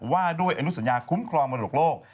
ว่าด้วยอนุสัญญาคุ้มครองมรดกโลก